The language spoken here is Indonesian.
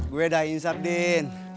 gue udah insap din